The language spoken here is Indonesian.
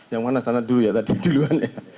yang mana sana dulu ya tadi duluan ya